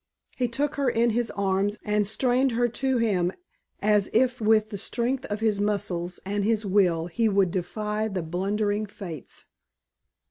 He took her in his arms and strained her to him as if with the strength of his muscles and his will he would defy the blundering fates.